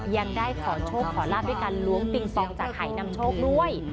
ยังได้ขอโชคขอลาบด้วยการล้วงปิงปองจากหายนำโชคด้วย